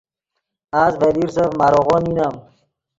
اس ڤے لیرسف ماریغو نینم